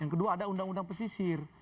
yang kedua ada undang undang pesisir